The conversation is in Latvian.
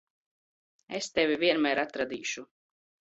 Es tevi vienmēr atradīšu.